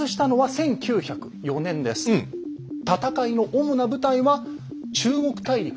戦いの主な舞台は中国大陸でした。